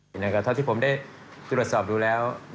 เมื่อที่ผมได้จุดสอบดูแล้ว